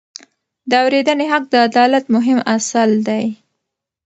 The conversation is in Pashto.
د اورېدنې حق د عدالت مهم اصل دی.